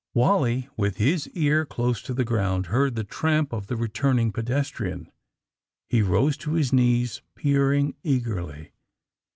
"Wally, with his ear close to the ground, heard the tramp of the returning pedestrian. He rose to his knees, peering eagerly.